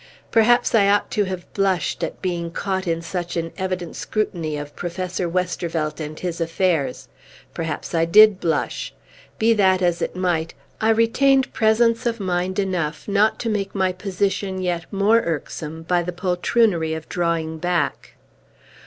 Perhaps I ought to have blushed at being caught in such an evident scrutiny of Professor Westervelt and his affairs. Perhaps I did blush. Be that as it might, I retained presence of mind enough not to make my position yet more irksome by the poltroonery of drawing back.